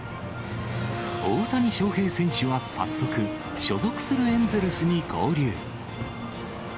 大谷翔平選手は早速、所属するエンゼルスに合流。